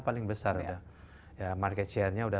paling besar udah ya market share nya udah